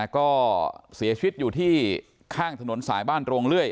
ก็เสียชีวิตอยู่ที่ข้างถนนสายบ้านโรงเลื่อย